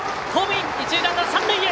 一塁ランナーは三塁へ。